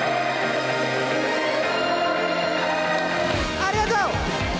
ありがとう！